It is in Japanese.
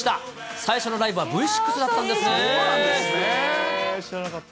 最初のライブはＶ６だったんです知らなかった。